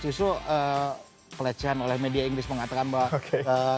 justru pelecehan oleh media inggris mengatakan bahwa